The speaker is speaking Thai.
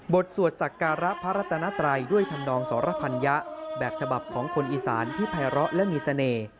สวดสักการะพระรัตนาไตรด้วยธรรมนองสรพัญญะแบบฉบับของคนอีสานที่ภัยร้อและมีเสน่ห์